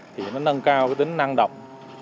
thì nó nâng cao tính năng động